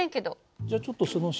じゃちょっとその塩